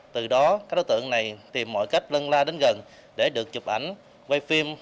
từ đó các đối tượng này tìm mọi cách lân la đến gần để được chụp ảnh quay phim